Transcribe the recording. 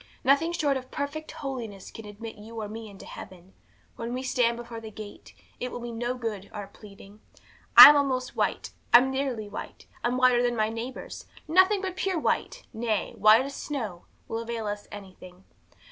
Nothing short of perfect holiness can admit you or me into heaven. When we stand before the gate, it will be no good our pleading, I'm almost white, I'm nearly white, I'm whiter than my neighbours; nothing but pure white, nay, white as snow, will avail us anything.